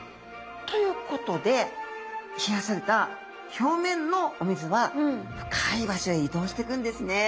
ということで冷やされた表面のお水は深い場所へ移動していくんですね。